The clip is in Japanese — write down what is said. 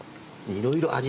色々味